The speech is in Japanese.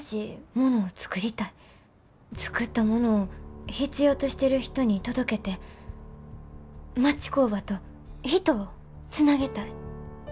作ったものを必要としてる人に届けて町工場と人をつなげたい。